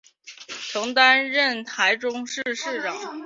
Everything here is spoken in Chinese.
曾担任台中市市长。